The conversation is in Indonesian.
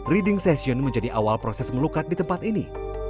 reading session menjadi awal proses melukat di tempat ini